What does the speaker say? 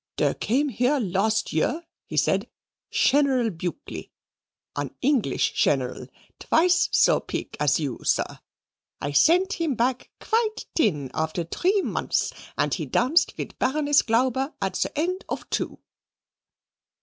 "Dere came here last year," he said, "Sheneral Bulkeley, an English Sheneral, tvice so pic as you, sir. I sent him back qvite tin after tree months, and he danced vid Baroness Glauber at the end of two."